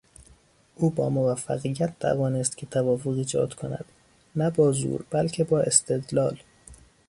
او با موفقیت توانست که توافق ایجاد کند نه با زور بلکه با استدلال.